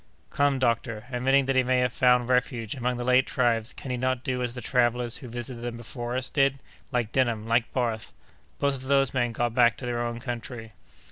"Come, doctor, admitting that he may have found refuge among the lake tribes, can he not do as the travellers who visited them before us, did;—like Denham, like Barth? Both of those men got back to their own country."